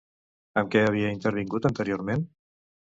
En què havia intervingut, anteriorment?